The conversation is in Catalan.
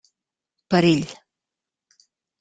Perill.